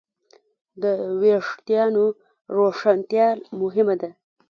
د وېښتیانو روښانتیا مهمه ده.